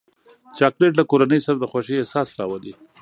چاکلېټ له کورنۍ سره د خوښۍ احساس راولي.